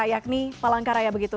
yakni palangkaraya begitu